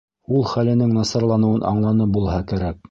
Ул хәленең насарланыуын аңланы булһа кәрәк.